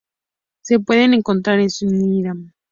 Se pueden encontrar en Surinam.